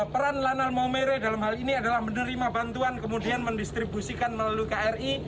peran lanal maumere dalam hal ini adalah menerima bantuan kemudian mendistribusikan melalui kri